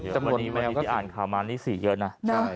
จำนวนนี้ที่อ่านข่าวมานี่สีเยอะนะ